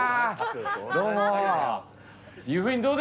どうも。